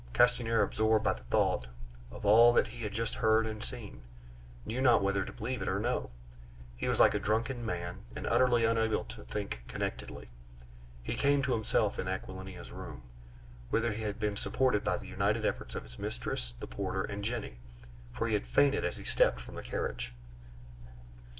Castanier, absorbed by the thought of all that he had just heard and seen, knew not whether to believe it or no; he was like a drunken man, and utterly unable to think connectedly. He came to himself in Aquilina's room, whither he had been supported by the united efforts of his mistress, the porter, and Jenny; for he had fainted as he stepped from the carriage.